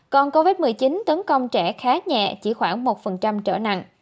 còn covid một mươi chín tấn công trẻ khá nhẹ chỉ khoảng một trở nặng